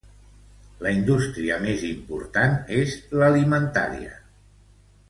La indústria més important és l'alimentària.